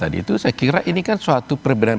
tadi itu saya kira ini kan suatu perbedaan